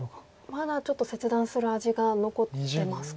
まだちょっと切断する味が残ってますか。